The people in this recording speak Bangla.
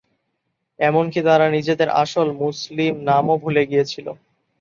এমন কি তারা নিজেদের আসল ‘মুসলিম’নামও ভুলে গিয়েছিল।